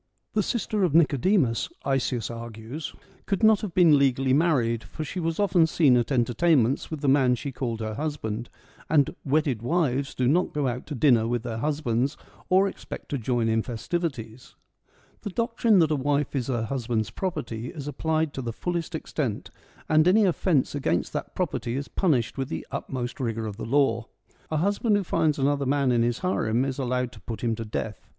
The sister of Nicodemus, Isaeus argues, could not have been legally married, for she was often seen at entertainments with the man she called her husband, and ' wedded wives do not go out to dinner with their husbands, or expect to join in festivities.' The doctrine that a wife is her husband's property is applied to the fullest extent, and any offence against that property is punished with the utmost rigour of the law. A husband who finds another man in his harem is allowed to put him to death.